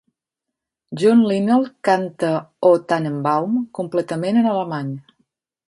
John Linnell canta "O Tannenbaum" completament en alemany.